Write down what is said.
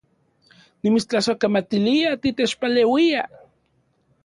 Nimitstlasojkamatilia titechpaleuia